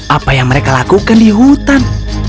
apa yang mereka lakukan di hutan